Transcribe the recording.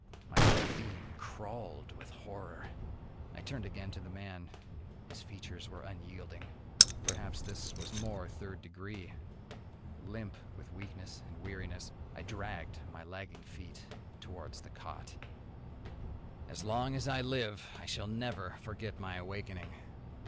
My whole being crawled with horror. I turned again to the man. His features were unyielding. Perhaps this was more third degree. Limp with weakness and weariness, I dragged my lagging feet towards the cot. As long as I live I shall never forget my awakening.